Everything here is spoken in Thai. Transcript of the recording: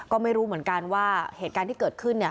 ก็ไม่รู้เหมือนกันว่าเหตุการณ์ที่เกิดขึ้นเนี่ย